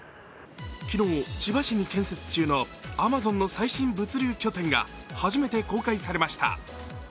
昨日、千葉市に建設中のＡｍａｚｏｎの最新物流拠点が初めて公開されました。